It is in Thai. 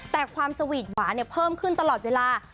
แต่ความสวีทหวานเพิ่มขึ้นตลอดเวลา